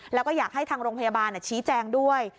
แล้วก็อยากให้ทางโรงพยาบาลชี้แจงด้วย